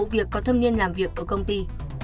được có thâm niên làm việc ở công ty